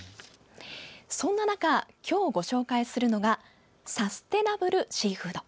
そんな中、今日ご紹介するのがサステナブルシーフード。